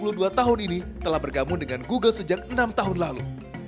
dua puluh dua tahun ini telah bergabung dengan google sejak enam tahun lalu